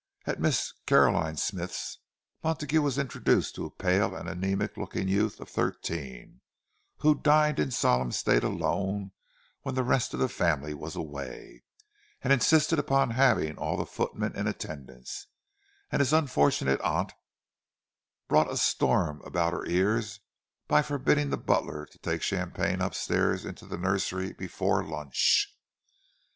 At Mrs. Caroline Smythe's, Montague was introduced to a pale and anaemic looking youth of thirteen, who dined in solemn state alone when the rest of the family was away, and insisted upon having all the footmen in attendance; and his unfortunate aunt brought a storm about her ears by forbidding the butler to take champagne upstairs into the nursery before lunch.